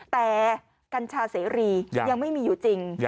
แต่กัญชาเสรียังไม่มีอยู่จริง